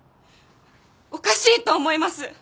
おかしいと思います！